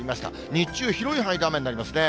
日中、広い範囲で雨になりますね。